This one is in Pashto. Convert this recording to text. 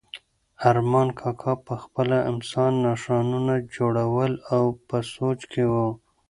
ارمان کاکا په خپله امسا نښانونه جوړول او په سوچ کې و.